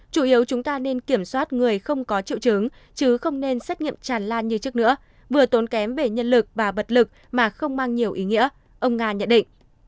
chủ yếu chúng ta nên kiểm soát người không có triệu chứng chứ không nên xét nghiệm tràn lan như trước nữa vừa tốn kém về nhân lực và vật lực mà không mang nhiều ý nghĩa ông nga nhận định